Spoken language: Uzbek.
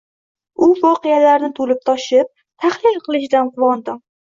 U voqealarni to’lib-toshib tahlil qilishidan quvondim.